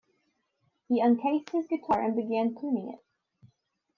He uncased his guitar and began tuning it.